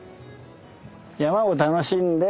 山を楽しんで。